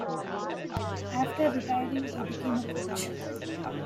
After retiring, he became a coach.